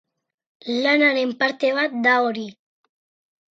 Lanaren parte bat da hori.